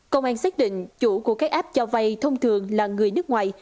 công an xét định chủ của các app cho vai thông thường là người nước ngoài